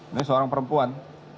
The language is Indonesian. ini seorang perempuan